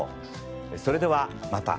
それではまた。